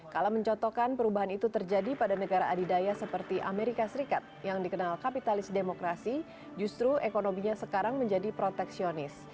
kala mencotokkan perubahan itu terjadi pada negara adidaya seperti amerika serikat yang dikenal kapitalis demokrasi justru ekonominya sekarang menjadi proteksionis